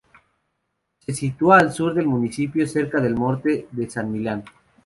Se sitúa al sur del municipio, cerca del monte de San Millán.